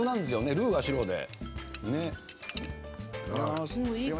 ルーが白で。